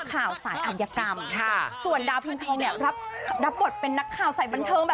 กลับมาคอบกันอีกกันเองด้วยนะ